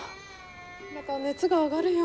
また熱が上がるよ。